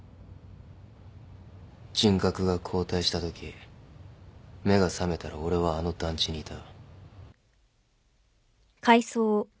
人格が交代したとき目が覚めたら俺はあの団地にいた。